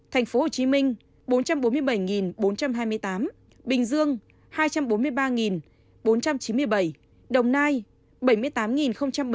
thành phố hồ chí minh bốn trăm bốn mươi bảy bốn trăm hai mươi tám bình dương hai trăm bốn mươi ba bốn trăm chín mươi bảy đồng nai bảy mươi tám bảy mươi ba